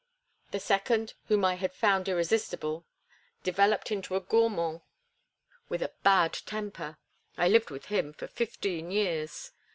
The second, whom I had found irresistible, developed into a gourmand with a bad temper. I lived with him for fifteen years.